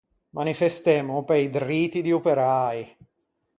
Manifestemmo pe-i driti di operäi.